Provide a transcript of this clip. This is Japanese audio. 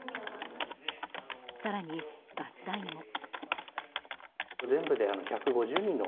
更に、ガス代も。